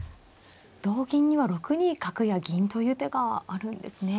同銀には６二角や銀という手があるんですね。